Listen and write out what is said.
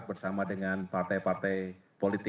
bersama dengan partai partai politik